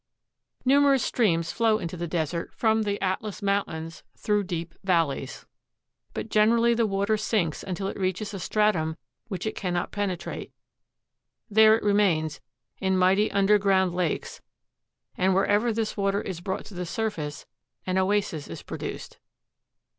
Numerous streams flow i«ito the Desert from the Atlas Mountains through deep valleys; but generally the water sinks till it reaches a stratum which it cannot penetrate. There it remains, in mighty underground lakes, and wherever this water is brought to the surface an oasis is produced.